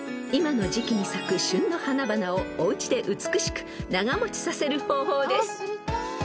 ［今の時季に咲く旬の花々をおうちで美しく長持ちさせる方法です］